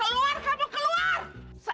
keluar kamu keluar